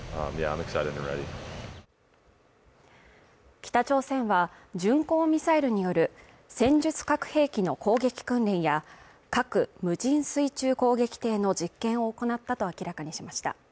北朝鮮は巡航ミサイルによる戦術核兵器の攻撃訓練や核無人水中攻撃艇の実験を行ったと明らかにしました。